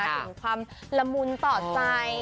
ถึงความละมุนต่อใจ